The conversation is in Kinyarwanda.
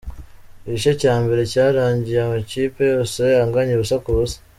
Igice cya mbere cyarangiye amakipe yose aganya ubusa ku busa.